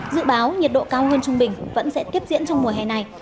dự báo nhiệt độ cao hơn trung bình vẫn sẽ tiếp diễn trong mùa hè này